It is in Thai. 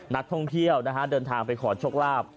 นักท่องเที่ยวนะฮะเดินทางไปขอโชคลาภ